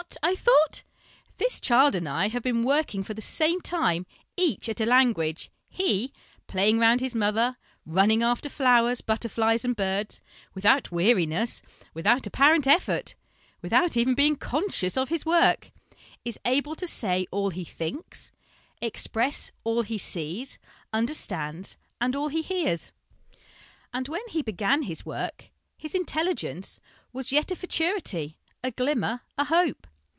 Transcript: ' I thought ;' this child and I have been working for the same time, each at a h nguage. He, playing round his mother, running after flowers, butterflies and birds, without weariness, without apparent effort, without even being conscious of his work, is able to say all he thinks, express all he sees, understand all he hears ; and when he began his work, his intelligence was yet a futurity, a glimmer, a hope.